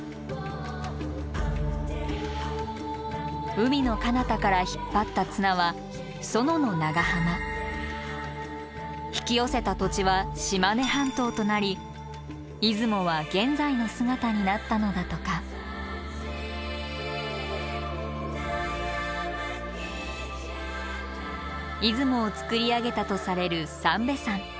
海のかなたから引っ張った綱は薗の長浜引き寄せた土地は島根半島となり出雲は現在の姿になったのだとか出雲を造り上げたとされる三瓶山。